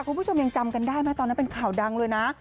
คุณผู้ชมยังจำกันได้ไหมตอนนั้นเป็นข่าวดังเลยนะ